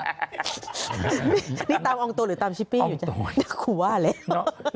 นี่ตามอองตัวหรือตามชิปปี้อยู่จ้ะครูว่าเลย